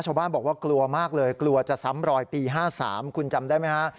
ชาวบ้านบอกว่ากลัวมากเลยกลัวจะซ้ำรอยปี๕๓คุณจำได้ไหมฮะ